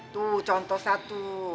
tuh contoh satu